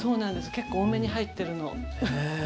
結構多めに入ってるの。ね。